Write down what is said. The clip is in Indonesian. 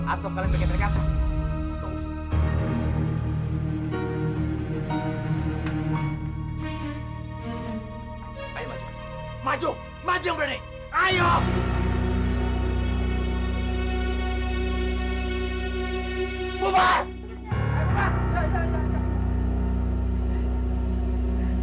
atau kalian ingin terima kasih